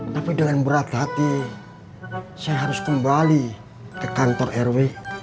tapi dengan berat hati saya harus kembali ke kantor rw